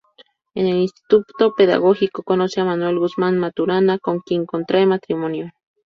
En el Instituto Pedagógico conoce a Manuel Guzmán Maturana, con quien contrae matrimonio.